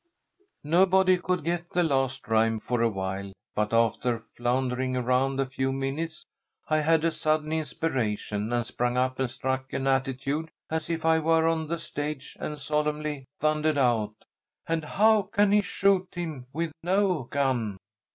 Nobody could get the last rhyme for awhile, but after floundering around a few minutes I had a sudden inspiration and sprang up and struck an attitude as if I were on the stage, and solemnly thundered out: "'And how can he shoot him with no gun?'